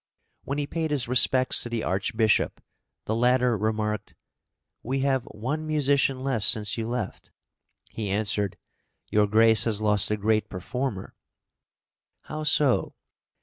When he paid his respects to the Archbishop, the latter remarked: "We have one musician less since you left." He answered, "Your Grace has lost a great performer." "How so?"